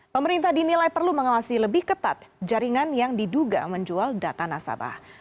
pemerintah dinilai perlu mengawasi lebih ketat jaringan yang diduga menjual data nasabah